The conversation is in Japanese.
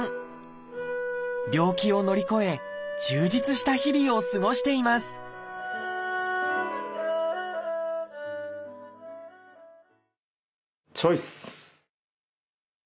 病気を乗り越え充実した日々を過ごしていますチョイス！